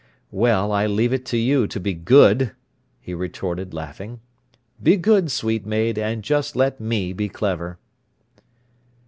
"Well, I leave it to you to be good," he retorted, laughing. "Be good, sweet maid, and just let me be clever."